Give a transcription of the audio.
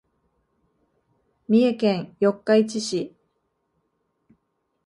三重県四日市市